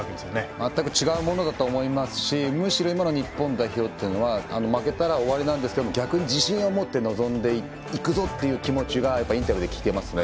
全く違うものだと思いますしむしろ今の日本代表というのは負けたら終わりなんですけども逆に自信を持って臨んでいくぞという気持ちがインタビューで聞けますね。